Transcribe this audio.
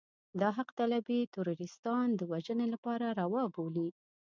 دا حق طالبي تروريستان د وژنې لپاره روا بولي.